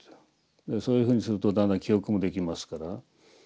そういうふうにするとだんだん記憶もできますから覚えていく。